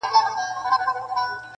ورور ځان ته سزا ورکوي تل,